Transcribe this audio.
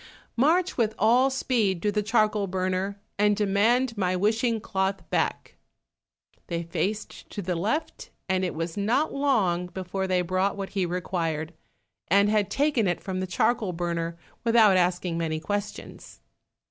"March with all speed to the charcoal burner, and demand my wishing cloth back." They faced to the left, and it was not long before they brought what he required, and had taken it from the charcoal burner without asking many questions.